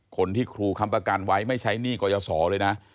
ครูค้ำประกันไว้ไม่ใช้หนี้กรยาศรเลยนะ